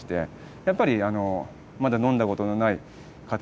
やっぱりまだ飲んだことのない方にですね